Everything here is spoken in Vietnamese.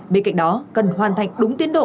bên cạnh đó cần hoàn thành đúng tiến độ